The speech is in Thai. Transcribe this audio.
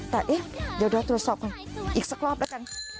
แต่เอ๊ะเดี๋ยวตรวจสอบกันอีกสักรอบแล้วกัน